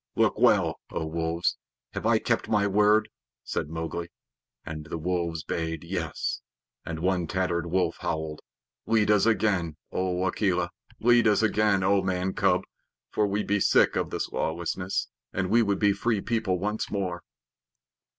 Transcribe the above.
"Look well, O Wolves. Have I kept my word?" said Mowgli. And the wolves bayed "Yes," and one tattered wolf howled: "Lead us again, O Akela. Lead us again, O Man cub, for we be sick of this lawlessness, and we would be the Free People once more."